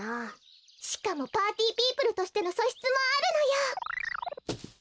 しかもパーティーピープルとしてのそしつもあるのよ。